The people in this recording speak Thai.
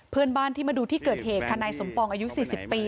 เพื่อนบ้านที่มาดูที่เกิดเหตุค่ะนายสมปองอายุ๔๐ปี